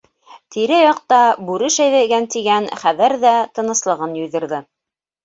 Тирә-яҡта бүре шәбәйгән тигән хәбәр ҙә тыныслығын юйҙырҙы.